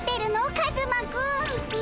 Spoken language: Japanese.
カズマくん！え。